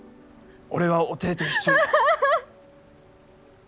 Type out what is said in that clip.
俺はおていと一緒に。